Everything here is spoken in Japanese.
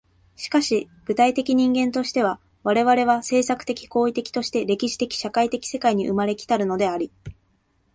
しかし具体的人間としては、我々は制作的・行為的として歴史的・社会的世界に生まれ来たるのであり、